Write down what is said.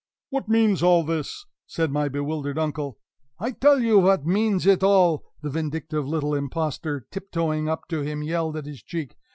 "What means all this?" said my bewildered uncle. "I tell you vat means it all!" the vindictive little impostor, tiptoeing up to him, yelled at his cheek.